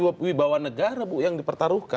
dua wibawa negara bu yang dipertaruhkan